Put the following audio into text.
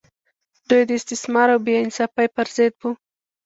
دوی د استثمار او بې انصافۍ پر ضد وو.